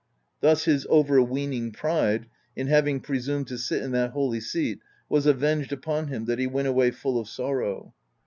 Thus his overweening pride, in having presumed to sit in that holy seat, was avenged upon him, that he went away full of sorrow.